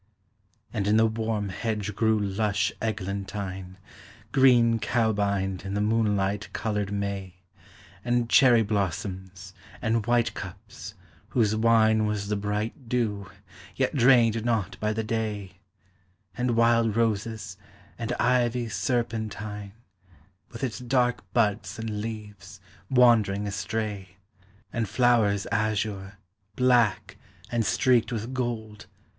And in the warm hedge grew lush eglantine, Green cowbind and the moonlighl colored May, And cherry blossoms, and white cups, whose wine Was the brighl dew, yet drained not by the day ; And wild roses, and ivy serpentine, With its dark buds and leaves, wandering astray ; And flowers azure, black, and streakt with gold.